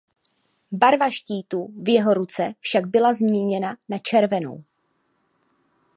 Barva štítu v jeho ruce však byla změněna na červenou.